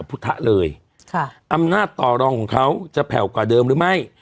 พุทธะเลยค่ะอำนาจต่อรองของเขาจะแผ่วกว่าเดิมหรือไม่